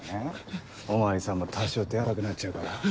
お巡りさんも多少手荒くなっちゃうから。